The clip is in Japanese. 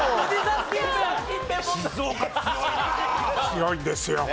強いんですよ。